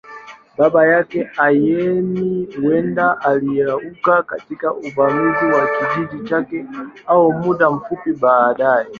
Baba yake, Ayemi, huenda aliuawa katika uvamizi wa kijiji chake au muda mfupi baadaye.